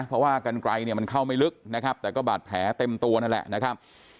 เพราะว่ากันไกลเนี่ยมันเข้าไม่ลึกนะครับแต่ก็บาดแผลเต็มตัวนั่นแหละนะครับ